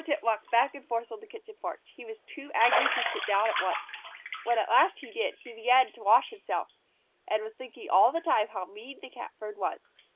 Page 218] Silvertip walked back and forth on the kitchen porch. He was too angry to sit down at once. When at last he did, and began to wash himself, he was thinking all the time how mean the Catbird was.